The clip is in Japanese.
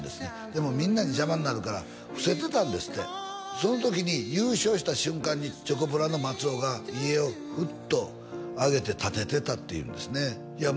でもみんなに邪魔になるから伏せてたんですってその時に優勝した瞬間にチョコプラの松尾が遺影をフッと上げて立ててたっていうんですねいや